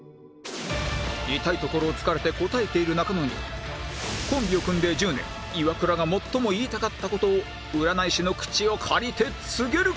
痛いところを突かれてこたえている中野にコンビを組んで１０年イワクラが最も言いたかった事を占い師の口を借りて告げる